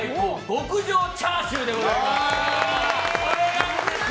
極上チャーシューでございます。